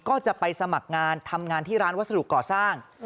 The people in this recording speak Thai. ก็จะไปสมัครงานทำงานที่ร้านวัสดุก่อสร้าง